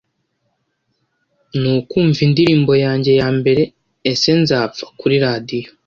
ni ukumva indirimbo yange ya mbere “ese nzapfa” kuri radiyo